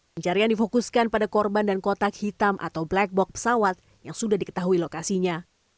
pencarian difokuskan pada korban dan kotak hitam atau black box pesawat yang sudah diketahui lokasinya